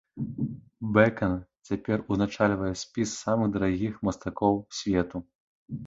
Бэкан цяпер узначальвае спіс самых дарагіх мастакоў свету.